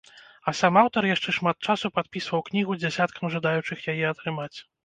А сам аўтар яшчэ шмат часу падпісваў кнігу дзясяткам жадаючых яе атрымаць.